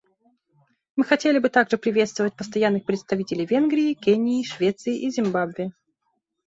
Мы хотели бы также приветствовать постоянных представителей Венгрии, Кении, Швеции и Зимбабве.